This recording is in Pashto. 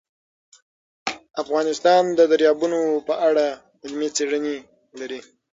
افغانستان د دریابونه په اړه علمي څېړنې لري.